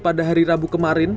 pada hari rabu kemarin